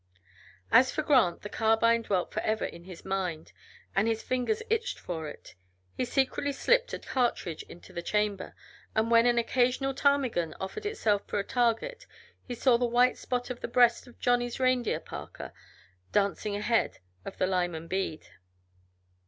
As for Grant, the carbine dwelt forever in his mind, and his fingers itched for it. He secretly slipped a cartridge into the chamber, and when an occasional ptarmigan offered itself for a target he saw the white spot on the breast of Johnny's reindeer parka, dancing ahead of the Lyman bead.